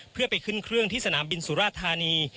เพื่อไปขึ้นเครื่องที่สนามบินสุราธานี